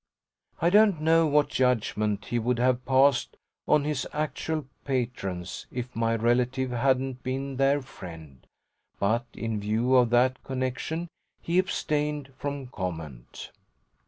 I don't know what judgement he would have passed on his actual patrons if my relative hadn't been their friend; but in view of that connexion he abstained from comment.